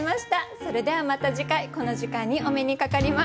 それではまた次回この時間にお目にかかります。